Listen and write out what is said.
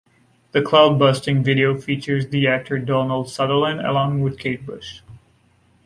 The "Cloudbusting" video features the actor Donald Sutherland along with Kate Bush.